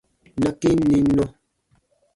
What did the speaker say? Na kĩ n nim nɔ.